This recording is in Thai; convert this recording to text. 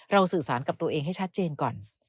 สื่อสารกับตัวเองให้ชัดเจนก่อน